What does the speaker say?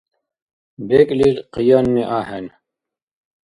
БекӀлил къиянни ахӀен.